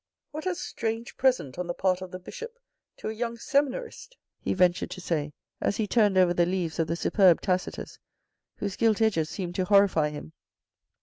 " What a strange present on the part of the Bishop to a young seminarist," he ventured to say as he turned over the leaves of the superb Tacitus, whose gilt edges seemed to horrify him.